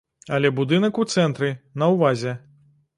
Але будынак у цэнтры, на ўвазе.